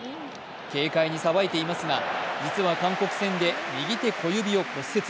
軽快にさばいていますが実は韓国戦で右手小指を骨折。